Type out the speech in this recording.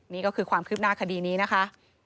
นี่ก็คือความคืบหน้าคดีนี้นะคะ